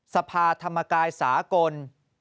สภาธรรมกายสากล